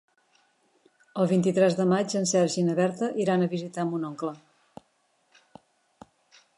El vint-i-tres de maig en Sergi i na Berta iran a visitar mon oncle.